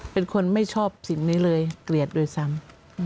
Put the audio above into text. เป็นคนไม่ชอบสิ่งนี้เลยเกลียดด้วยซ้ำ